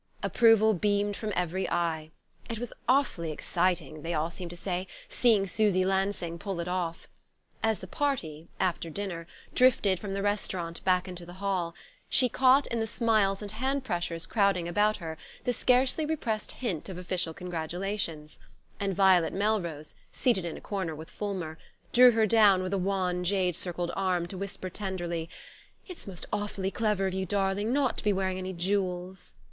Approval beamed from every eye: it was awfully exciting, they all seemed to say, seeing Susy Lansing pull it off! As the party, after dinner, drifted from the restaurant back into the hall, she caught, in the smiles and hand pressures crowding about her, the scarcely repressed hint of official congratulations; and Violet Melrose, seated in a corner with Fulmer, drew her down with a wan jade circled arm, to whisper tenderly: "It's most awfully clever of you, darling, not to be wearing any jewels."